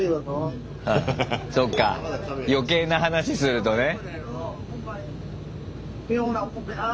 そうか余計な話するとね。